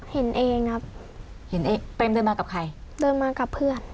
เห็นเองครับเติมเดินมากับใครเดินมากับเพื่อน